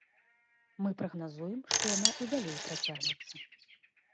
Мы прагназуем, што яна і далей працягнецца.